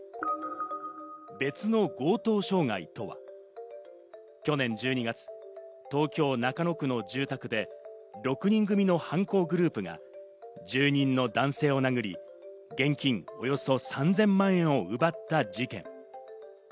別の強盗傷害とは、去年１２月、東京・中野区の住宅で６人組の犯行グループが住人の男性を殴り、現金およそ３０００万円を奪った事件。